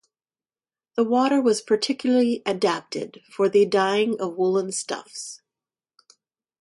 The water was peculiarly adapted for the dyeing of woollen stuffs.